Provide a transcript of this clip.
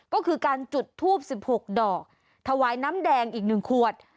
ก็คือการจุดทูบ๑๖ดอกถวายน้ำแดงอีก๑ขวด